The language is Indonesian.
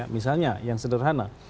misalnya yang sederhana